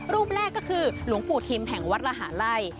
รูปแรกก็คือหลวงปู่ทิมแห่งวัดระหาลัย